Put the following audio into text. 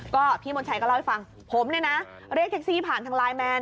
ก็พี่มนชัยก็เล่าให้ฟังผมเนี่ยนะเรียกแท็กซี่ผ่านทางไลน์แมน